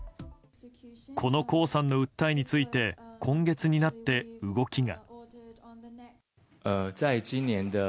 この江さんの訴えについて今月になって動きが。